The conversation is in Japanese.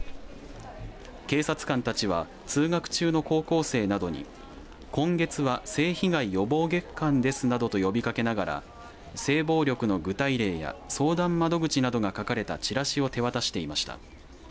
警察官たちは通学中の高校生などに今月は性被害予防月間ですなどと呼びかけながら性暴力の具体例や相談窓口が書かれたチラシを手渡していました。